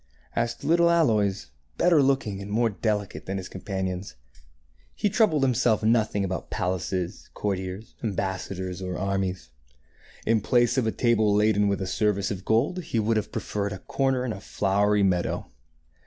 As to little Aloys, better looking and more delicate than his companions, he troubled himself nothing about palaces. THE THREE SOWERS 27 courtiers, ambassadors, or armies. In place of a table laden with a service of gold, he would have preferred a corner in a flowery meadow.